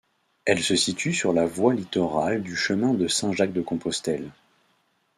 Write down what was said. Elle se situe sur la voie littorale du chemin de Saint-Jacques-de-Compostelle.